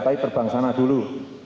tapi terbang sana dulu